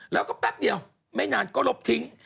แล้วก็แป๊บเดียวไม่นานก็ลบทิ้ง